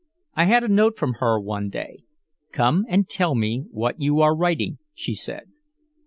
I had a note from her one day. "Come and tell me what you are writing," she said.